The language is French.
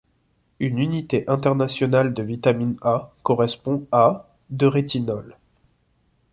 Une unité internationale de vitamine A correspond à de rétinol.